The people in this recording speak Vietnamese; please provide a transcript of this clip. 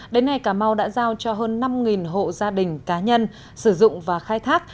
đến nay cà mau đã giao cho hơn năm hộ gia đình cá nhân sử dụng và khai thác